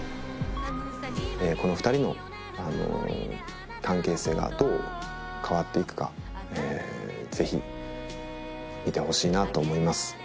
この２人の関係性がどう変わっていくかぜひ見てほしいなと思います